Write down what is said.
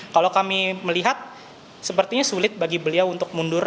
kalau kami melihat sepertinya sulit bagi beliau untuk mundur